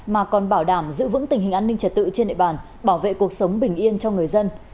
mà còn bảo đảm giữ vững tình hình an ninh trật tự trên địa bàn bảo vệ cuộc sống bình yên cho người dân